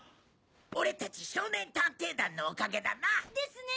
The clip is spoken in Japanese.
俺たち少年探偵団のおかげだな！ですね！